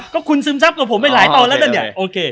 ก็คุณซึมซับกับผมไปหลายตอนแล้วนะเนี่ยโอเค